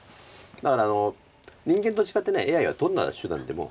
だから人間と違ってＡＩはどんな手段でも。